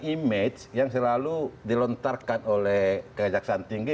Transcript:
image yang selalu dilontarkan oleh kejaksaan tinggi